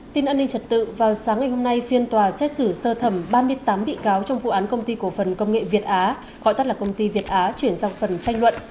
tin an ninh trật tự vào sáng ngày hôm nay phiên tòa xét xử sơ thẩm ba mươi tám bị cáo trong vụ án công ty cổ phần công nghệ việt á gọi tắt là công ty việt á chuyển sang phần tranh luận